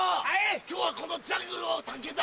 今日はこのジャングルを探検だ。